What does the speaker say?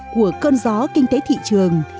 của cơn gió kinh tế thị trường